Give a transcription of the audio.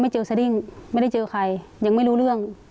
เจอสดิ้งไม่ได้เจอใครยังไม่รู้เรื่อง